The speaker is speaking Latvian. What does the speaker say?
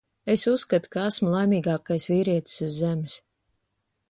Es uzskatu, ka esmu laimīgākais vīrietis uz Zemes.